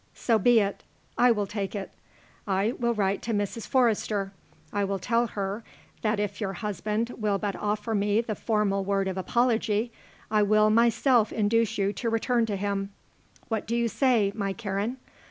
So be it. I will take it. I will write to Mrs. Forrester. I will tell her that if your husband will but offer me the formal word of apology I will myself induce you to return to him. What do you say, my Karen?